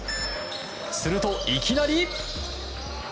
すると、いきなり。